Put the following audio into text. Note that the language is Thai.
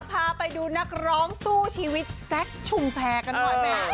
พาไปดูนักร้องสู้ชีวิตแจ๊คชุมแพรกันหน่อยแม่